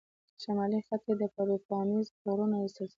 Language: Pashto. شمالي خط یې د پاروپامیزوس د غرونو سلسله وه.